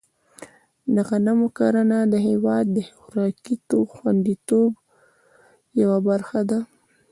د غنمو کرنه د هېواد د خوراکي خوندیتوب یوه برخه ده.